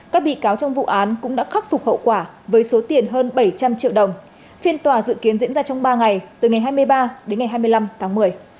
các bị cáo trong vụ án cũng đã khắc phục hậu quả với số tiền hơn bảy trăm linh triệu đồng phiên tòa dự kiến diễn ra trong ba ngày từ ngày hai mươi ba đến ngày hai mươi năm tháng một mươi